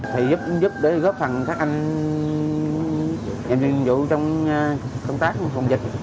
thì giúp để góp phần các anh làm nhiệm vụ trong công tác phòng dịch